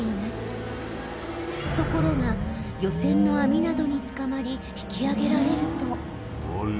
ところが漁船のあみなどにつかまり引きあげられるとあれ？